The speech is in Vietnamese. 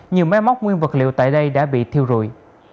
nhiều máy móc nguyên vật liệu tại đây đã bị thiêu rụi